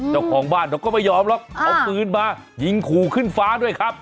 เจ้าของบ้านเขาก็ไม่ยอมหรอกเอาปืนมายิงขู่ขึ้นฟ้าด้วยครับ